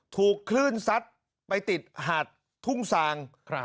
ถูกคลื่นซัดไปติดหาดทุ่งซาง